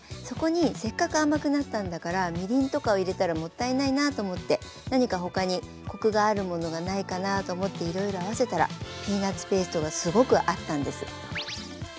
そこにせっかく甘くなったんだからみりんとかを入れたらもったいないなと思って何か他にコクがあるものがないかなと思っていろいろ合わせたらピーナツペーストがすごく合ったんです。